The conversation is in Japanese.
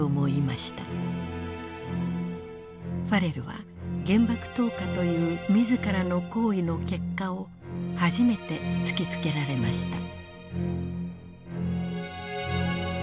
ファレルは原爆投下という自らの行為の結果を初めて突きつけられました。